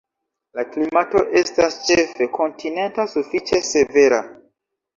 La klimato estas ĉefe kontinenta, sufiĉe severa.